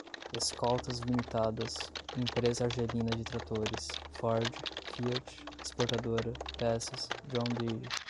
escoltas limitadas, empresa argelina de tratores, ford, fiat, exportadora, peças, john deere